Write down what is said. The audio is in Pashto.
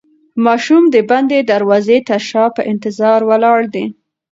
ماشوم د بندې دروازې تر شا په انتظار ولاړ دی.